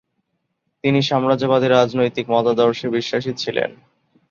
তিনি সাম্যবাদী রাজনৈতিক মতাদর্শে বিশ্বাসী ছিলেন।